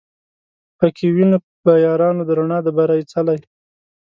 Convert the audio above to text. پکښی وینو به یارانو د رڼا د بري څلی